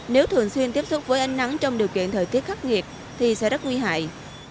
nếu thường xuyên tiếp xúc với ánh nắng trong điều kiện thời tiết khắc nghiệt thì sẽ rất nguy hại